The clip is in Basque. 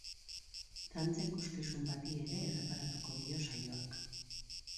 Dantza ikuskizun bati ere erreparatuko dio saioak.